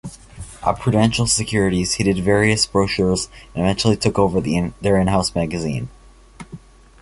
At Prudential Securities he did various brochures and eventually took over their in-house magazine.